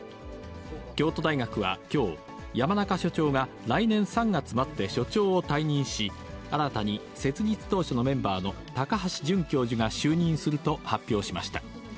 京都大学はきょう、山中所長が、来年３月末で所長を退任し、新たに、設立当初のメンバーの高橋淳教授が就任すると発表しました。